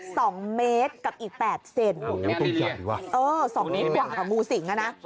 สองเมตรกับอีกแปดเซนโอ้โหตัวใหญ่ว่ะเออสองเมตรกว่ากับงูสิงอ่ะนะ